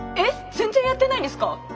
全然やってないんですか？